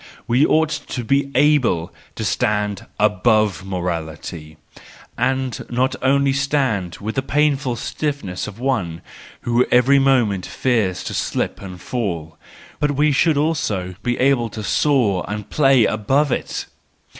We ought also to be able to stand above morality, and not only stand with the painful stiffness of one who every moment fears to slip and fall, but we should also be able to soar and play above it!